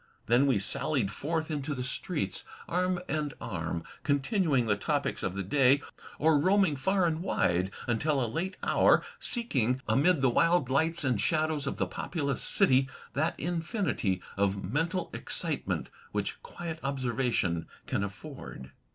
Then we sallied forth into the streets, arm and arm, con tinuing the topics of the day, or roaming far and wide tmtil a late hour, seeking, amid the wild lights and shadows of the populous city, that infinity of mental excitement which quiet observation can afford.